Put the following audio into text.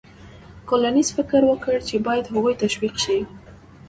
کولینز فکر وکړ چې باید هغوی تشویق شي.